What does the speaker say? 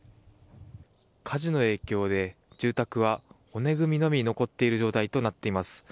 火事の影響で住宅は骨組みのみ残っている状態となっています。